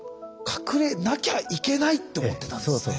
隠れなきゃいけないって思ってたんですね。